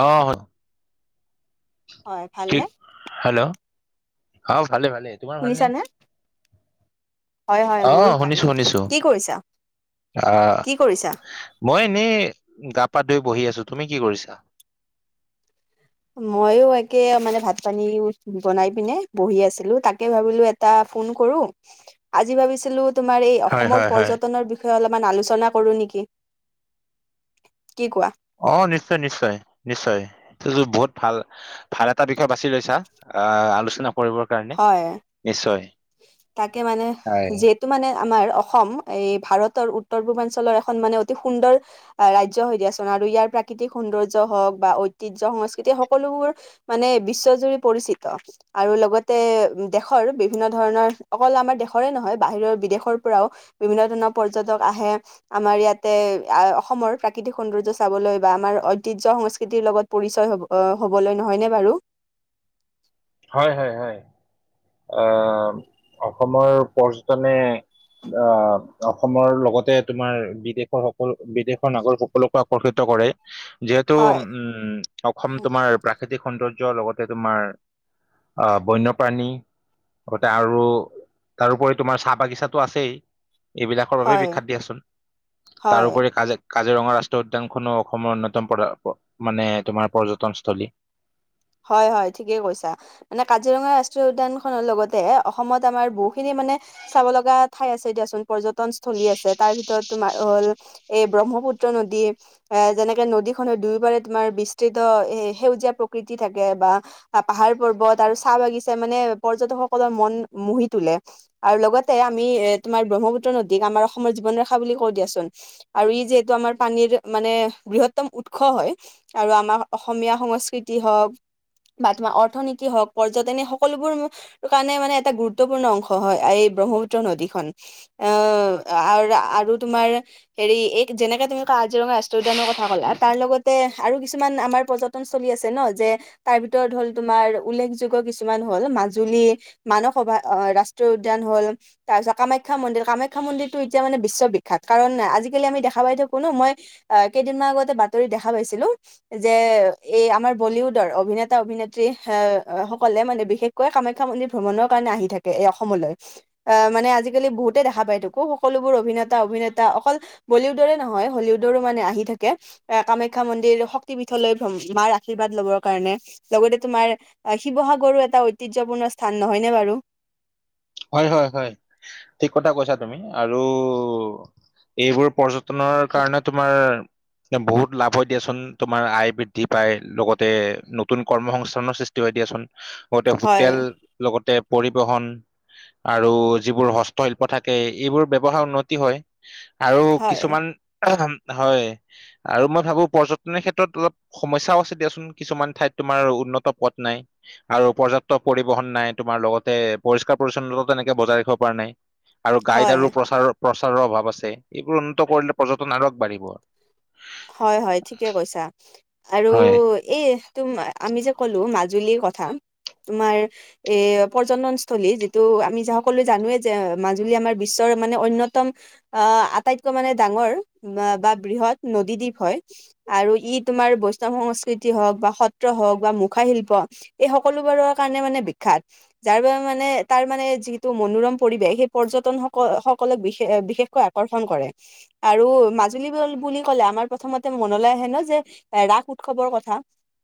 অহ হয় ঠিক ভালনে? হেল্ল' অ', ভালে-ভালে তোমাৰ ভাল নে? শুনিছানে? হয়, হয়, মোৰো ভাল। কি কৰিছা? আহ', কি কৰিছা? মই এনেই গা পা ধুই বহি আছোঁ, তুমি কি কৰিছা? মইয়ো একে মানে ভাত পানী বনাই পিনে বহি আছিলোঁ, তাকে ভাবিলো এটা ফোন কৰো, আজি ভাবিছিলোঁ তোমাৰ এই হয় অসমৰ হয় হয় পৰ্যতনৰ অলপমান আলোচনা কৰো নেকি, কি কোৱা? অ', নিশ্চয়-নিশ্চয়-নিশ্চয় সেইটো বহুত ভাল-ভাল এটা বিষয় বাছি লৈছা। আহ, আলোচনা কৰিবৰ কাৰণে, হয় নিশ্চয়। তাকে মানে, হয় যিহেতু মানে আমাৰ অসম এই ভাৰতৰ উত্তৰ পূৰ্বাঞ্চলৰ এখন মানে অতি সুন্দৰ ৰাজ্য হৈ দিয়াছোন। আৰু ইয়াৰ প্ৰাকৃতিক সৌন্দৰ্য হওক বা ঐতিহ্য সংস্কৃতি সকলোবোৰ মানে বিশ্বজুৰি পৰিচিত। আৰু লগতে দেশৰ বিভি বিভিন্ন ধৰণৰ, অকল আমাৰ দেশৰে নহয় বাহিৰৰ বিদেশৰ পৰাও বিভিন্ন ধৰণৰ পৰ্যটক আহে আমাৰ ইয়াতে অসমৰ প্ৰাকৃতিক সৌন্দৰ্য চাবলৈ বা আমাৰ ঐতিহ্য সংস্কৃতিৰ লগত পৰিচয় অ, হ'বলৈ নহয় নে বাৰু? হয়, হয়, হয়, অ অসমৰ পৰ্যটনে আহ, অসমৰ লগতে তোমাৰ বিদেশৰ সকলো বিদেশৰ নাগৰিক সকলকো আকৰ্ষিত কৰে। যিহেতু হয় উম, অসম তোমাৰ প্ৰাকৃতিক সৌন্দৰ্য লগতে তোমাৰ বন্যপ্ৰাণী তাতে আৰু তাৰোপৰি তোমাৰ চাহ বাগিচাতটো আছেই। এইবিলাকৰ বাবে হয় বিখ্যাত দিয়াচোন, তাৰ হয় উপৰি কাজিৰঙা কাজিৰঙা ৰাষ্ট্ৰীয় উদ্যানখনো অসমৰ অন্যতম প মানে তোমাৰ পৰ্যটনস্থলী। হয় হয় ঠিকেই কৈছা মানে কাজিৰঙা ৰাষ্ট্ৰীয় উদ্যান খনৰ লগতে অসমত আমাৰ বহুখিনি মানে চাব লগা ঠাই আছে দিয়াচোন পৰ্যটনস্থলী আছে তাৰ ভিতৰত তোমাৰ হ'ল এই ব্ৰহ্ম পুত্ৰ নদী এ যেনেকে নদী খনৰ দুয়োপাৰে তোমাৰ বিস্তৃত এ সেউজীয়া প্ৰকৃতি থাকে বা পাহাৰ পৰ্বত আৰু চাহ বাগিচা মানে পৰ্যটকসকলৰ মন মুহি তোলে আৰু লগতে আমি এ তোমাৰ ব্ৰহ্মপুত্ৰ নদীক আমাৰ অসমৰ জীৱন ৰেখা বুলি কওঁ দিয়াচোন আৰু ই যিহেতু আমাৰ পানীৰ মানে বৃহত্তম উৎস হয় আৰু আমাৰ অসমীয়া সংস্কৃতি তি হওক বা তোমাৰ অৰ্থনীতি হওক পৰ্যটনে এই সকলোবোৰ কাৰণে মানে এটা গুৰুত্বপূৰ্ণ অংশ হয় এই ব্ৰহ্মপুত্ৰ নদীখন অ আৰু -আৰু তোমাৰ হেৰি এক যেনেকে তুমি কাজিৰঙা ৰাষ্ট্ৰীয় উদ্যানৰ কথা কলা তাৰ লগতে আৰু কিছুমান আমাৰ পৰ্যটন স্থলি আছে ন যে তাৰ ভিতৰত হল তোমাৰ উল্লেখযোগ্য কিছুমান হল মাজুলী, মানস অভয়াৰণ্যৰ ৰাষ্ট্ৰীয় উদ্যান হল। তাৰপিছত কামাখ্যা মন্দিৰ। কামাখ্যা মন্দিৰটো এতিয়া মানে বিশ্ববিখ্যাত। কাৰণ আজিকালি আমি দেখা পাই থাকো নো মই কেইদিনমান আগতে বাতৰি দেখা পাইছিলো। যে এই আমাৰ বলীউডৰ অভিনেতা অভিনেত্ৰীসকলে মানে বিশেষকৈ কামাখ্যা মন্দিৰ ভ্ৰমণৰ কাৰণে আহি থাকে অসমলৈ। অ মানে আজিকালি বহুতে দেখা পায় থাকো। সকলোবোৰ অভিনেতা অভিনেতা অকল বলিউডৰে নহয় হলিউডৰো মানে আহি থাকে। এ কামাখ্যা মন্দিৰ শক্তি পীঠলৈ মাৰ আশীৰ্বাদ লবৰ কাৰণে লগতে। তোমাৰ শিৱসাগৰো এটা ঐতিহ্যপূৰ্ণ স্থান নহয়নে বাৰু? [inaudible] হয় হয় হয়, ঠিক কথা কৈছা তুমি আৰু এইবোৰ পৰ্যটনৰ কাৰণে তোমাৰ বহুত লাভো দিয়াচোন। তোমাৰ আয় বৃদ্ধি পাই লগতে নতুন কৰ্মসস্থানৰ সৃষ্টি। ই দিয়াচোন লগতে হয় হোটেল, লগতে পৰিবহন, আৰু যিবোৰ হস্তশিল্প থাকে এইবোৰ ব্যৱহাৰ উন্নতি হয়। আৰু হয় কিছুমান হয় আৰু মই ভাবো পৰ্যটনৰ ক্ষেত্ৰত অলপ সমস্যাও আছে দিয়াচোন। কিছুমান ঠাইত তোমাৰ উন্নত পথ নাই। আৰু পৰ্যটক পৰিবহণ নাই। তোমাৰ লগতে পৰিষ্কাৰ পৰিচ্ছন্নতা তেনেকে বজাই ৰাখিব পৰা নাই আৰু গাইড হয় আৰু প্ৰচাৰৰ প্ৰচাৰৰ অভাৱ আছে। এইবোৰ উন্নত কৰিলে পৰ্যটন আৰু আগবাঢ়িব। হয় -হয় ঠিকে কৈছা আৰু হয় এই তম আমি যে ক'লো মাজুলীৰ কথা তোমাৰ এ পৰ্যটনস্থলী যিটো আমি য সকলো জানোৱে যে মাজুলী আমাৰ বিশ্ব মানে অন্যতম আটাইতকৈ মানে ডাঙৰ বা বৃহৎ নদীদ্বীপ হয় আৰু ই তোমাৰ বৈষ্ণৱ সংস্কৃতি হওক বা সত্ৰ হওক বা মুখা শিল্প এই সকলোবাৰৰ কাৰণে মানে বিখ্যাত। যাৰ বাবে মানে তাৰ মানে যিটো মনোৰম পৰিৱেশ সেই পৰ্যটন স সকলক বিশ বিশেষকৈ আকৰ্ষণ কৰে। আৰু মাজুলী বুলি কলে আমাৰ প্ৰথমতে মনলৈ আহে ন যে ৰাস উৎসৱৰ কথা।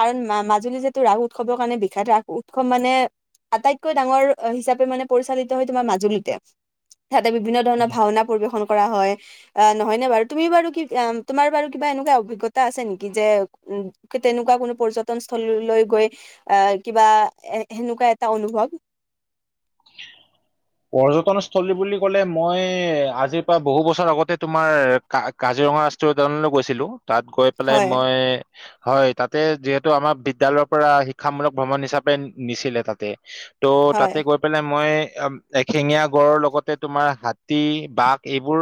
কাৰণ মাজুলী যিহেতটো ৰাস উৎসৱৰ কাৰণে বিখ্যাত। উৎসৱ মানে আটাইতকৈ ডাঙৰ হিচাপে মানে পৰিচালিত হয় তোমাৰ মাজুলীতে। তাতে বিভিন্ন ধৰণৰ ভাওনা পৰিবেশন কৰা হয় আহ নহয়নে বাৰু তুমি বাৰু কি তোমাৰ বাৰু কিবা এনেকুৱা অভিজ্ঞতা আছে নেকি যে উম তেনেকুৱা কোনো পৰ্যটন স্থললৈ গৈ অ কিবা এ সেনেকুৱা এটা অনুভৱ। [inaudible] পৰ্যটনস্থলী বুলি কলে মই আজিৰ পৰা বহু বছৰ আগতে তোমাৰ ক ক কাজিৰঙা ৰাষ্ট্ৰীয় উদ্যানলৈ গৈছিলো। তাত গৈ পেলাই হয় মই হয় তাতে যিহেতু আমাৰ বিদ্যালয়ৰ পৰা শিক্ষামূলক ভ্ৰমণ হিচাপে নিছিলে তাতে। ত' তাক হয় মই এহেঙীয়া গড় লগতে তোমাৰ হাতী বাঘ এইবোৰ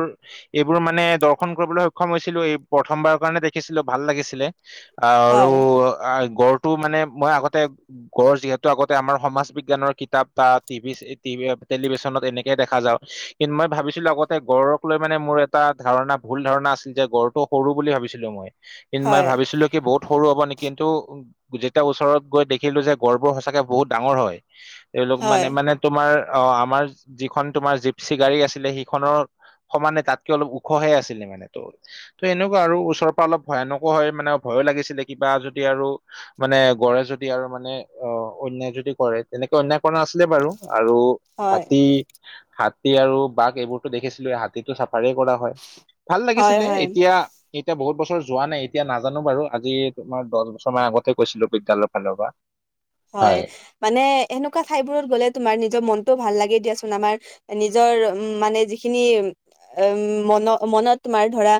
এইবোৰ মানে দৰ্শন কৰিবলৈ সক্ষম হৈছিলো। এই প্ৰথমবাৰৰ কাৰণে দেখিছিলো ভাল লাগিছিলে। আৰু হয় গড় টো মানে মই আগতে গড় যিহেতু আগতে আমাৰ সমাজ বিজ্ঞানৰ কিতাপ টিভি টেলিভিশছনত এনেকে দেখা পাও। কিন্তু মই ভাবিছিলো গড়ক লৈ মানে মোৰ এটা ধাৰণা ভুল ধাৰণা আছিল যে গড়টো সৰু বুলি ভাবিছিলো মই। কিন্ত মানে হয় হয় ভাবিছিলো কি বহুত সৰু হব নেকি কিন্তু যেতিয়া ওচৰত গৈ দেখিলো যে গড়বোৰ সঁচাকে বহুত ডাঙৰ হয়। তেওঁলোক মানে হয় মানে তোমাৰ অ আমাৰ যিখন তোমাৰ জিপচি গাড়ী আছিলে সেইখনৰ সমানে তাতকে অলপ ওখহে আছিলে মানে ত' ত এনেকুৱা আৰু ওচৰৰ পৰা অলপ ভয়ানক হয়। মানে লাগিছিল কিবা যদি আৰু মানে গড়ে যদি আৰু মানে অ অন্যায় যদি কৰে তেনেকে অন্যায়। নাছিলে বাৰু আৰু হয় হাতী। আৰু বাঘ এইবোৰতো দেখিছিলো এই হাতীতটো চ। কৰা হয় ভাল হয় লাগিছিলে হয় এতিয়া এতিয়া বহুত বছ্তৰ। ৰ যোৱা নাই এতিয়া নাজানো বাৰু আজি তোমাৰ দহ বছৰ মান আগতে গৈছিলোঁ বিদ্যালয় ফালৰ পৰা। হয় মানে এনেকা। কা ঠাই বোৰত গ'লে তোমাৰ নিজৰ মনটোও ভাল লাগে দিয়াচোন আমাৰ নিজৰ উ মানে যিখিনি। উম মন মনত তোমাৰ ধৰা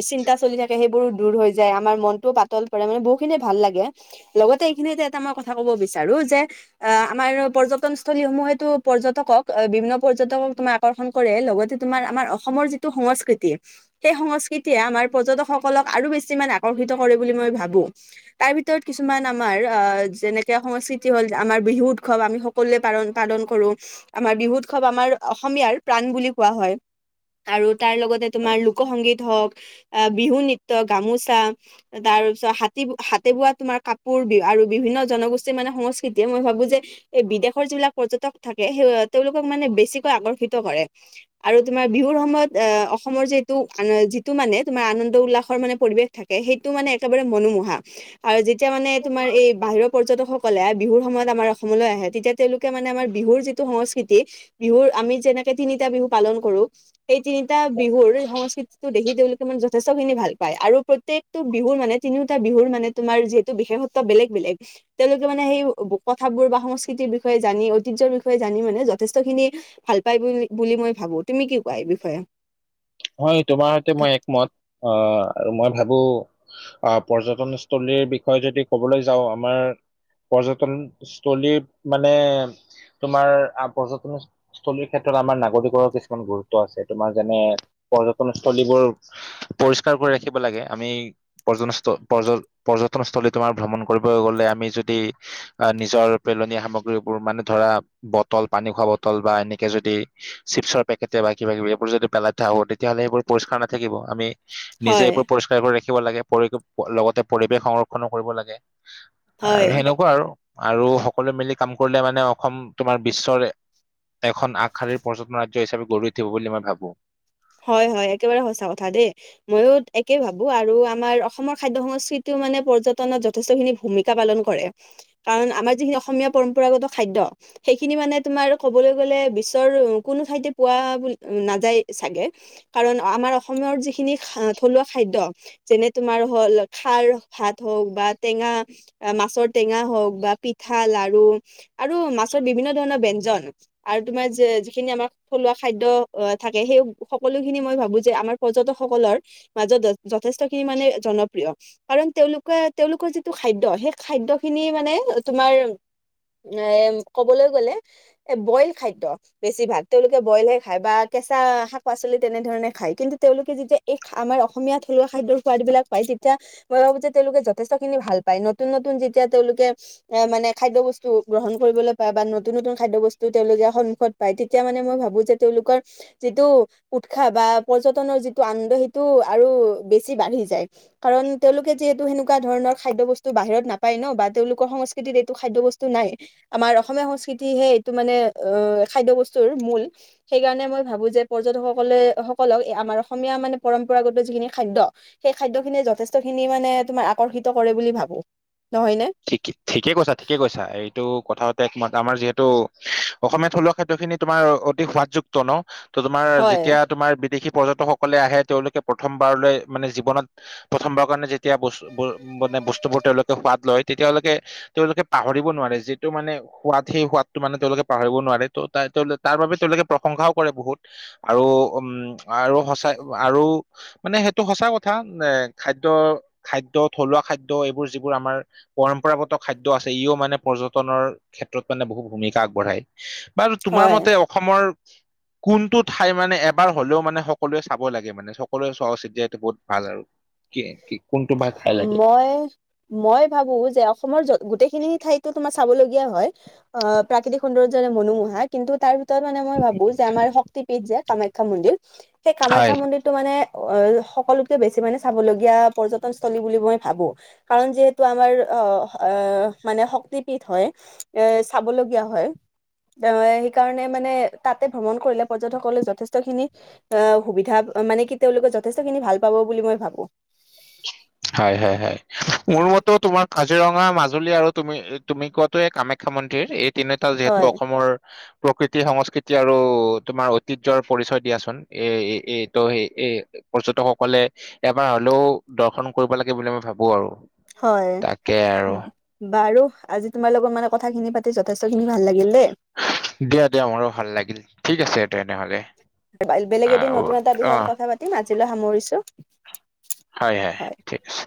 এ চিন্তা চলি থাকে। সেইবোৰো দূৰ হৈ যায় আমাৰ মনটো। পাতল পৰে মানে বহু খিনি ভাল লাগে লগতে এই খিনি। থা ক'ব বিচাৰো যে অ আমাৰ পৰ্যটনস্থলী সমূহেতো পৰ্যটকক বিন্ন পৰ্যটক। আকৰ্ষণ কৰে লগতে তোমাৰ আমাৰ অসমৰ যিটো সংস্কৃতি সেই সংস্কৃতিয়ে আমাৰ পৰক-। - সকল আৰু বেছি আকৰ্ষিত কৰে বুলি মই ভাবো তাৰ ভিতৰত কিছুমান আমাৰ যেনে। সংস্কৃতি হ'ল আমাৰ বিহু উৎসৱ আমি সকলোৱে পালন পালন কৰো আমাৰ বিহু উৎসৱ আমাৰ অসমীয়াৰ প্ৰাণ বুলি কোৱা হয়। আৰু তাৰ লগতে তোমাৰ লোক সংগীত হওঁক আহ বিহু নৃত্য গামোচা তাৰ তাৰ পিছত হাতে বোৱা তোমাৰ কাপোৰ আৰু বিভিন্ন জনগোষ্ঠ মানে সংস্কৃতিয়ে মই ভাবো যে এই বিদেশ যিবিলাক পৰ্যটক থাকে স তেওঁলোকক মানে বেছিকৈ আকৰ্ষ কৰে আৰু তোমাৰ বিহুৰ সময়ত আহ অসমৰ যিটো যিটো মানে তোমাৰ আনন্দ উল্ল মে পৰিৱেশ থাকে সেইটো মানে একেবাৰে মনোমোহা আৰু যেতিয়া মানে তোমাৰ এই বাহিৰৰ পৰ্যটক ক'লে বিহুৰ সময়ত আমাৰ অসমলৈ আহে তেতিয়া তেওঁলোকে মানে আমাৰ বিহুৰ যিটো সংস্কৃতি বিহুৰ আমি যেনে। তিনিটা বিহু পালন কৰো সেই তিনিটা বিহুৰ সংস্কৃতিটো দেখি তেওঁলোকে মানে যথেষ্ট খিনি ভাল পায়। আৰু প্ৰত্যেকটো বিহু মানে তিনিটা বিহু তোমাৰ যিটো বিশেষত্ব বেলেগ বেলেগ পায়। তেওঁলোকে মানে সেই কথাবোৰ বা সংস্কৃতিৰ বিষয়ে জানি ঐতিহ্যৰ বিষয়ে জানি মানে যথেষ্টখিনি ভাল। ভাল পাই বুলি মই ভাবো তুমি কি কোৱা এই বিষয়ে? হয় তোমাৰ সৈতে মই একমত অ আৰু মই ভাবো। আহ পৰ্যটনস্থলীৰ বিষয়ে যদি কবলৈ যাওঁ আমাৰ। পৰ্যটনস্থলীৰ মানে। তোমাৰ পৰ্যটনস্থথলীৰ ক্ষেত্ৰত আমাৰ নাগৰিকৰো কিছুমান গুৰুত্ব আছে। তোমাৰ যেনে। পৰ্যটনস্থলীবোৰ পৰিষ্কাৰ কৰি ৰাখিব লাগে আমি পৰ্যটন পৰ। পৰ্যটনস্থলী তোমাৰ ভ্ৰমণ কৰিব গলে আমি যদি আহ নিজৰ পেলনীয়া সামগ্ৰীবোৰ মানে ধৰা। ব পানী খোৱা বল বা এনেকে যদি চিপৰ পেকে বা কিবা কিবি এইবোৰ পেলাই। হব তেতিয়াহ'লে সেইবোৰ পৰিষ্কাৰ নাথাকিব। আমি নিজে হয় এইবোৰ পৰিষ্কাৰ কৰি ৰাখ। ৰাখিব লাগে পৰিশ লগতে পৰিৱেশ সংৰক্ষণো কৰিব লাগে। হয় আৰু সেনেকুৱা আৰু আৰু সকলোৱে মিলি কাম কৰিলে মানে অসম তোমাৰ বিশ্বৰে। এখন আগশাৰীৰ পৰ্যটন ৰাজ্য হিচাপে গঢ়ি উঠিব বুলি মই ভাবো। হয় হয় একেবাৰে সঁচা কথা দেই ময়ো একে ভাবো আৰু আমাৰ অসমৰ খাদ্য সংস্কৃতিও। মানে পৰ্যটনত যথেষ্ট খিনি ভূমিকা পালন কৰে। কাৰণ আমাৰ যিখিনি অসমীয়া পৰম্পৰাগত খাদ্য। সেইখিনি মানে তোমাৰ কবলৈ গলে বিশ্বৰ কোনো ঠাইতে পোৱা নাযায় চাগে। কাৰণ আমাৰ অসমৰ যিখিনি থলুৱা খাদ্য যেনে তোমাৰ হল খাৰ। ভাত হক বা টেঙা মাছৰ টেঙা হক বা পিঠা লাৰু আৰু মাছ। ত বিভিন্ন ধৰণৰ ব ব্যঞ্জন আৰু তোমাৰ যিখিনি আমাৰ থলুৱা খাদ্য অ থাকে সেই। সকলোখিনি মই ভাবো যে আমাৰ পৰ্যটকসকলৰ মাজত যথেষ্ট খিনি মানে জনপ্ৰিয়। কাৰণ তেওঁলোকে তেওঁলোকৰ যিটো খাদ্য সেই খাদ্য খিনি মানে তোমাৰ। এ ক'বলৈ গ'লে এ বইল খাদ্য বেছি ভাল তেওঁলোকে বইলহে খায় বা। কেঁচা শাক পাচলি তেনেধৰণে খাই, কিন্তু তেওঁলোকে যেতিয়া এই আমাৰ অসমীয়া থলুৱা খাদ্যৰ সোৱাদ বিলাক পায় তেতিয়া খাব যে তেওঁলোকে যথেষ্টখিনি ভাল পাই নতুন নতুন যেতিয়া তেওঁলোকে, মানে খাদ্য বস্তু গ্ৰহণ কৰিবলৈ বা নতুন নতুন খাদ্যবস্তু তেওঁলোকে সন্মুখত পায় তেতিয়া মানে মই ভাবো যে তেওঁলোকৰ, যিটো উৎসাহ বা পৰ্যটনৰ যিটো আনন্দ সেইটো আৰু বেছি বাঢ়ি যায়। কাৰণ তেওঁলোকে যিহেতু সেনে তেনেকুৱা ধৰণৰ খাদ্য বস্তু বাহিৰত নাপায় ন বা তেওঁলোকৰ সংস্কৃতিত এইটো খাদ্য বস্তু নাই। আমাৰ অসমীয়া সংস্কৃতিহে টো মানে খাদ্য বস্তুৰ মূল সেইকাৰণে মই ভাবো যে পৰ্যটক সকলে সকলক আমাৰ অসমীয়া মানে পৰম্পৰাগত যিখিনি খাদ্য, সেই খাদ্য খিনিয়ে যথেষ্টখিনি মানে এ তোমাৰ আকৰ্ষিত কৰে বুলি ভাবো। ঠিক ঠিক ঠিকে কৈছা, ঠিকে কৈছা এইটো কথাৰ সৈতে একমাত, আমাৰ যিহেতু অসমীয়া থলুৱা খাদ্য খিনি তোমাৰ অতি সোৱাদযুক্ত ন। ত' তোমাৰ হয় যেতিয়া তোমাৰ বিদেশী পৰ্যটকসকলে আহে তেওঁলোকে প্ৰথমবাৰলৈ মানে জীৱনত প্ৰথমবাৰৰ কাৰণে যেতিয়া বচ ব মানে বস্তুবোৰ তেওঁলোকে সোৱাদ লয়। তেতিয়ালৈোকে তেওঁলোকে পাহৰিব নোৱাৰে। যিটো মানে সোৱাদ সেই সোৱাদটো মানে তেওঁলোকে পাহৰিব নোৱাৰে। ত' তাত- তেওঁলোক তাৰ বাবে তেওঁলোকে প্ৰশংসাও কৰে বহুত আৰু উম আৰু সঁচাই আৰু মানে সেইটো সঁচা কথা, এ খাদ্য-খাদ্য থলুৱা খাদ্য এইবোৰ যিবোৰ আমাৰ পৰম্পৰাগত খাদ্য আছে, ইও মানে পৰ্যটনৰ ক্ষেত্ৰত মানে বহু ভূমিকা আগবঢ়ায়। বাৰু তোমাৰ হয় মতে অসমৰ কোনটো ঠাই মানে এবাৰ হলেও মানে সকলোৱে চাব লাগে মানে সকলোৱে চোৱা উচিত যে এইটো বহুত ভাল আৰু। [unintelligible] ঠাই লাগে? মই-মই ভাবো যে অসমৰ যত গোটেইখিনি ঠাইতো তোমাৰ চাবলগীয়া হয়, অ, প্ৰাকৃতিক সৌন্দৰ্য যেনে মনোমোহা কিন্তু তাৰ [unintelligible] মানে মই ভাবো যে আমাৰ শক্তি পীঠ যে কামাখ্যা মন্দিৰ, সেই হয় কামাখ্যা মন্দিৰটো মানে অ', সকলোতকৈ বেছি মানে চাবলগীয়া পৰ্যটনস্থলী বুলি মই ভাবো, কাৰণ যিহেতু আমাৰ অ, আহ মানে শক্তিপীঠ হয়। এ চাবলগীয়া হয়। [unintelligible] সেইকাৰণে মানে তাতে ভ্ৰমণ কৰিলে পৰ্যটকসকলে যথেষ্ট খিনি আ সুবিধা মানে কি তেওঁলোকে যথেষ্ট খিনি ভাল পাব বুলি মই ভাবো। হয়, হয়, হয়, মোৰ মতে তোমাৰ কাজিৰঙা, মাজুলী আৰু তুমি-তুমি কোৱাতোয়ে কামাখ মন্দিৰ। এই তিনিটা যিহেতু হয় অসমৰ প্ৰকৃতি সংস্কৃতি আৰু তোমাৰ ঐতিহ্যৰ পৰিচয় দিয়াচোন। এ এইটো স এ পৰ্যটকসকলে এবাৰ হলেও দৰ্শন কৰিব লাগে বুলি আমি ভাবো। আৰু- হয় তাকে আৰু বাৰু। আজি তোমাৰ লগত মানে কথা খিনি পাতি যথেষ্ট খিনি ভাল লাগিল দেই। দিয়া দিয়া আমাৰো ভাল লাগিল। ঠিক আছে তেনেহলে। বেলেগ অ', এদিন নতুন এটা বিষয়ত অ', কথা পাতিম আজিলৈ সামৰিছো। হয় হয়। ঠিক আছে।